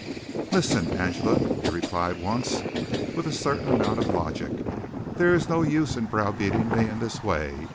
"Listen, Angela," he replied once, with a certain amount of logic, "there is no use in brow beating me in this way.